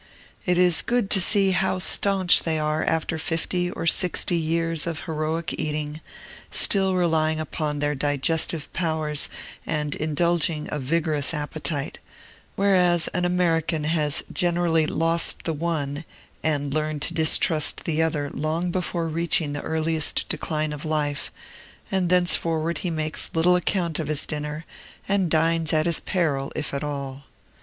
It is good to see how staunch they are after fifty or sixty years of heroic eating, still relying upon their digestive powers and indulging a vigorous appetite; whereas an American has generally lost the one and learned to distrust the other long before reaching the earliest decline of life; and thenceforward he makes little account of his dinner, and dines at his peril, if at all.